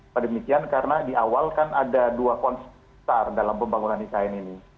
padahal di awal kan ada dua konsep besar dalam pembangunan ikn ini